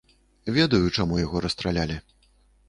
Ведаю, чаму яго расстралялі.